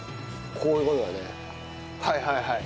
こういう事だねはいはいはい。